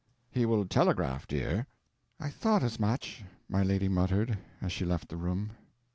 "He will telegraph, dear." "I thought as much," my lady muttered, as she left the room.